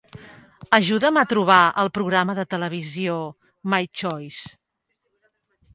Ajuda'm a trobar el programa de televisió "My Choice".